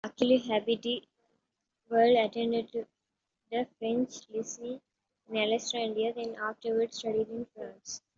Aklilu Habte-Wold attended the French "lycee" in Alexandria, then afterwards studied in France.